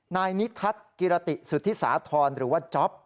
นายนิทัศน์กิรติสุธิสาธรณ์หรือว่าจ๊อป